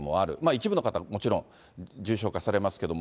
一部の方はもちろん、重症化されますけども。